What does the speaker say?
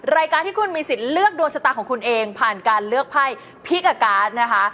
รายการที่คุณมีสิทธิ์เลือกดวงชะตาของคุณเองผ่านการเลือกไพ่พี่กับการ์ดนะคะ